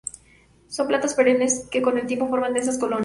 Son plantas perennes que con el tiempo forman densas colonias.